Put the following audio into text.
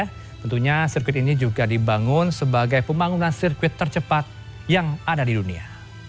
tentunya sirkuit ini juga dibangun sebagai pembangunan sirkuit tercepat yang ada di dunia